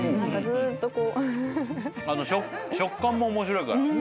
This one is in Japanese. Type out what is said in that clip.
食感も面白いから。